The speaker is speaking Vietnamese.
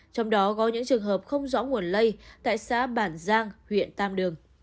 trong đó có những trường hợp không rõ nguồn lây tại xã bản giang huyện tam đường